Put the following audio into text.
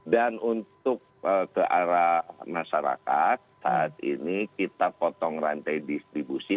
dan untuk ke arah masyarakat saat ini kita potong rantai distribusi